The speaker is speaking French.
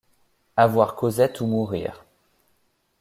Avoir Cosette ou mourir.